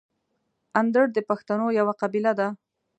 اندړ د پښتنو یوه قبیله ده.